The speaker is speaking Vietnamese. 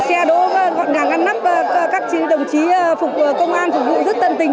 xe đỗ gọn gàng ngăn nắp các đồng chí phục công an phục vụ rất tận tình